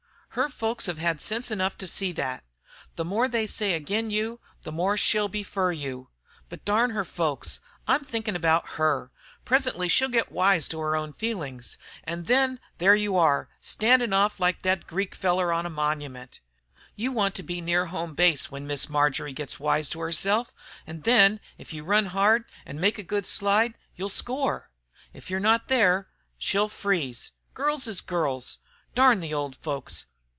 Her folks might hev hod sense enough to see thet. The more they say agin you the more she'll be fer you. But darn her folks! I'm thinkin' about her. Presently she'll git wise to her own feelin's. An' there you are, standin' off like thet Greek feller on a monument. You want to be near home base when Miss Marjory gets wise to herself, an' then, if you run hard an' make a good slide, you'll score! If you're not there she'll freeze. Girls is girls. Darn the old folks!